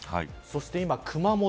そして今、熊本